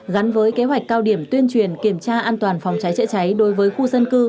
gắn với kế hoạch cao điểm tuyên truyền kiểm tra an toàn phòng cháy chữa cháy đối với khu dân cư